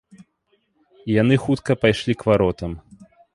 І яны хутка пайшлі к варотам.